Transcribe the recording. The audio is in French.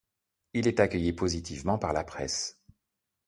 Il est accueilli positivement par la presse.